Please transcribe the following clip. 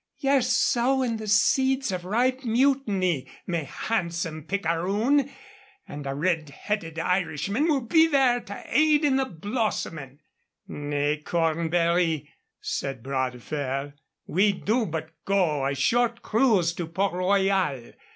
Ye're sowin' the seeds of ripe mutiny, me handsome picaroon, an' a red headed Irishman will be there to aid in the blossomin'." "Nay, Cornbury," said Bras de Fer. "We do but go a short cruise to Port Royal.